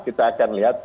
kita akan lihat